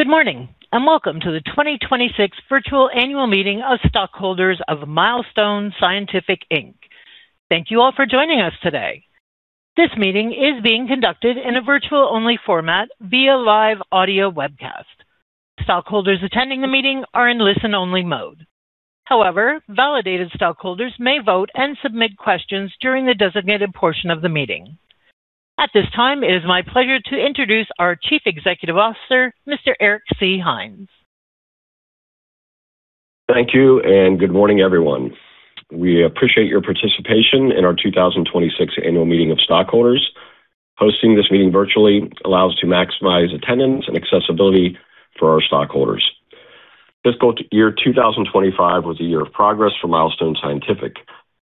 Good morning, and welcome to the 2026 Virtual Annual Meeting of Stockholders of Milestone Scientific Inc. Thank you all for joining us today. This meeting is being conducted in a virtual-only format via live audio webcast. Stockholders attending the meeting are in listen-only mode. However, validated stockholders may vote and submit questions during the designated portion of the meeting. At this time, it is my pleasure to introduce our Chief Executive Officer, Mr. Eric C. Hines. Thank you, and good morning, everyone. We appreciate your participation in our 2026 annual meeting of stockholders. Hosting this meeting virtually allows to maximize attendance and accessibility for our stockholders. Fiscal year 2025 was a year of progress for Milestone Scientific.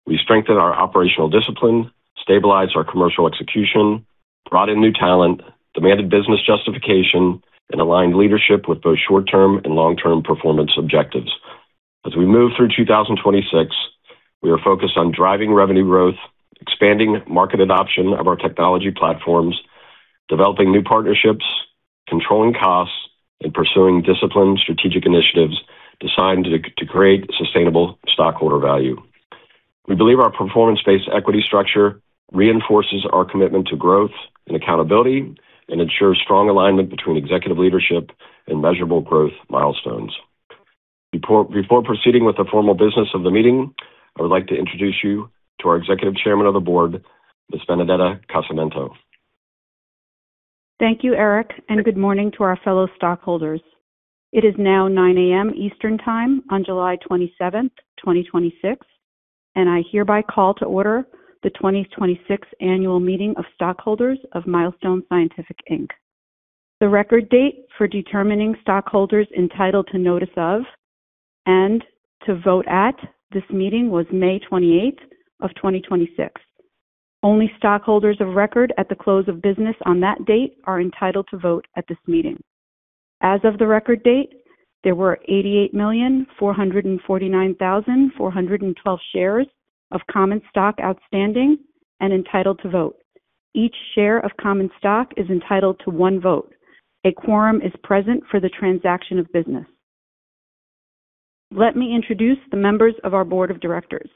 We strengthened our operational discipline, stabilized our commercial execution, brought in new talent, demanded business justification, and aligned leadership with both short-term and long-term performance objectives. As we move through 2026, we are focused on driving revenue growth, expanding market adoption of our technology platforms, developing new partnerships, controlling costs, and pursuing disciplined strategic initiatives designed to create sustainable stockholder value. We believe our performance-based equity structure reinforces our commitment to growth and accountability and ensures strong alignment between executive leadership and measurable growth milestones. Before proceeding with the formal business of the meeting, I would like to introduce you to our Executive Chairman of the Board, Ms. Benedetta Casamento. Thank you, Eric, and good morning to our fellow stockholders. It is now 9:00 A.M. Eastern Time on July 27th, 2026, and I hereby call to order the 2026 annual meeting of stockholders of Milestone Scientific Inc. The record date for determining stockholders entitled to notice of and to vote at this meeting was May 28th of 2026. Only stockholders of record at the close of business on that date are entitled to vote at this meeting. As of the record date, there were 88,449,412 shares of common stock outstanding and entitled to vote. Each share of common stock is entitled to one vote. A quorum is present for the transaction of business. Let me introduce the members of our Board of Directors.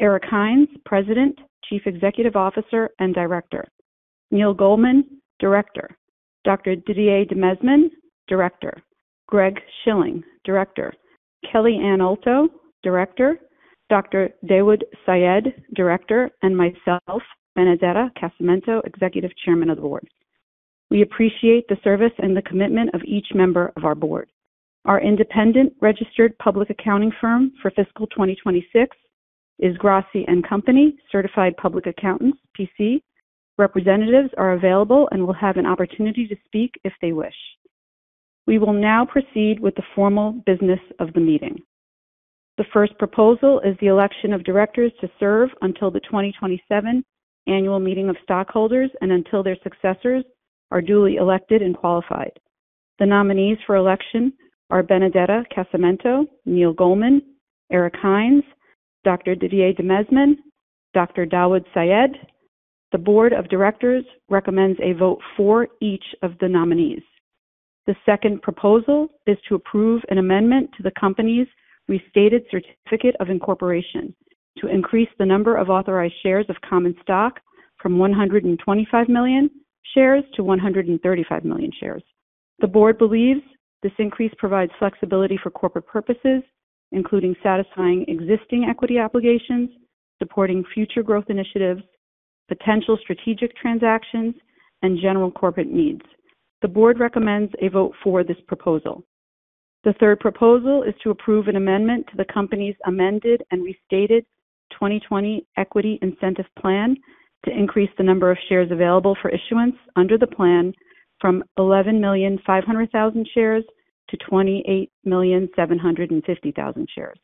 Eric C. Hines, President, Chief Executive Officer, and Director. Neal Goldman, Director. Dr. Didier Demesmin, Director. Greg Shilling, Director. Kelly Ann Ulto, Director. Dr. Dawood Sayed, Director, and myself, Benedetta Casamento, Executive Chairman of the Board. We appreciate the service and the commitment of each member of our board. Our independent registered public accounting firm for fiscal 2026 is Grassi & Co, certified public accountants P.C. Representatives are available and will have an opportunity to speak if they wish. We will now proceed with the formal business of the meeting. The first proposal is the election of directors to serve until the 2027 annual meeting of stockholders and until their successors are duly elected and qualified. The nominees for election are Benedetta Casamento, Neal Goldman, Eric Hines, Dr. Didier Demesmin, Dr. Dawood Sayed. The board of directors recommends a vote for each of the nominees. The second proposal is to approve an amendment to the company's Restated Certificate of Incorporation to increase the number of authorized shares of common stock from 125 million shares to 135 million shares. The board believes this increase provides flexibility for corporate purposes, including satisfying existing equity obligations, supporting future growth initiatives, potential strategic transactions, and general corporate needs. The board recommends a vote for this proposal. The third proposal is to approve an amendment to the company's Amended and Restated 2020 Equity Incentive Plan to increase the number of shares available for issuance under the plan from 11.5 million shares to 28.75 million shares.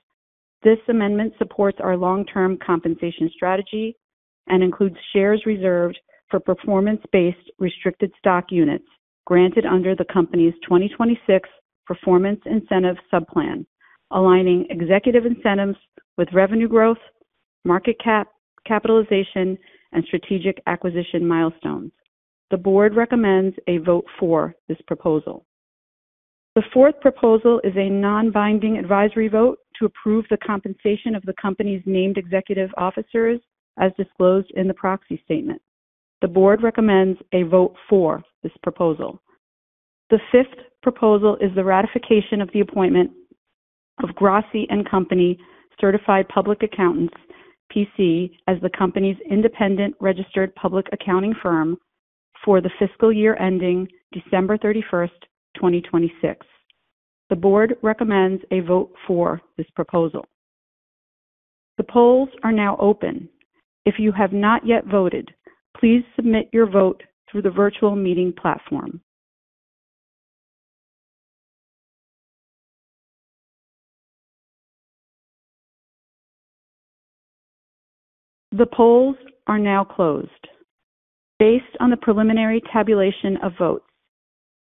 This amendment supports our long-term compensation strategy and includes shares reserved for performance-based restricted stock units granted under the company's 2026 performance incentive sub-plan, aligning executive incentives with revenue growth, market capitalization, and strategic acquisition milestones. The board recommends a vote for this proposal. The fourth proposal is a non-binding advisory vote to approve the compensation of the company's named executive officers as disclosed in the proxy statement. The board recommends a vote for this proposal. The fifth proposal is the ratification of the appointment of Grassi & Co, certified public accountants P.C., as the company's independent registered public accounting firm for the fiscal year ending December 31, 2026. The board recommends a vote for this proposal. The polls are now open. If you have not yet voted, please submit your vote through the virtual meeting platform. The polls are now closed. Based on the preliminary tabulation of votes,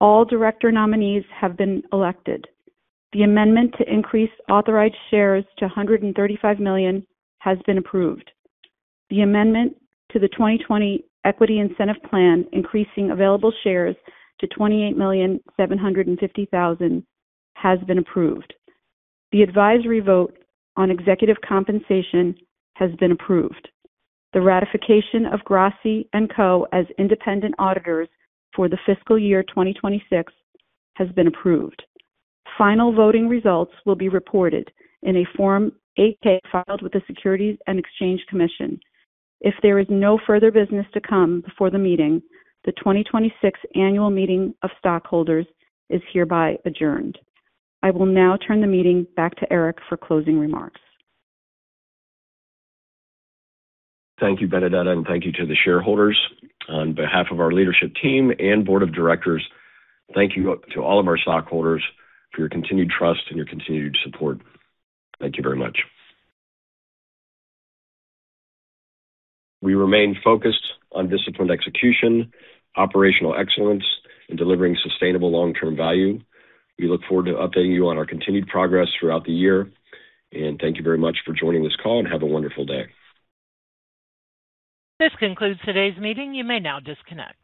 all director nominees have been elected. The amendment to increase authorized shares to 135 million has been approved. The amendment to the 2020 Equity Incentive Plan increasing available shares to 28.75 million has been approved. The advisory vote on executive compensation has been approved. The ratification of Grassi & Co as independent auditors for the fiscal year 2026 has been approved. Final voting results will be reported in a Form 8-K filed with the Securities and Exchange Commission. If there is no further business to come before the meeting, the 2026 annual meeting of stockholders is hereby adjourned. I will now turn the meeting back to Eric for closing remarks. Thank you, Benedetta, and thank you to the shareholders. On behalf of our leadership team and board of directors, thank you to all of our stockholders for your continued trust and your continued support. Thank you very much. We remain focused on disciplined execution, operational excellence, and delivering sustainable long-term value. We look forward to updating you on our continued progress throughout the year, and thank you very much for joining this call, and have a wonderful day. This concludes today's meeting. You may now disconnect.